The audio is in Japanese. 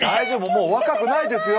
もう若くないですよ。